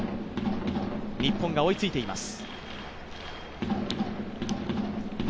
日本が追いついています。